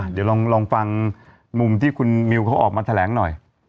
เดี๋ยวลองฟังมุมที่คุณมิวเขาออกมาแถลงหน่อย